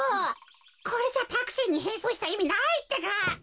これじゃタクシーにへんそうしたいみないってか！